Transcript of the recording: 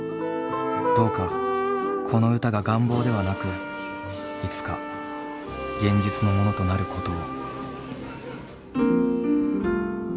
どうかこの歌が願望ではなくいつか現実のものとなることを。